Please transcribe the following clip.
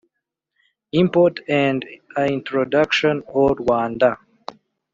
import and l introduction au rwanda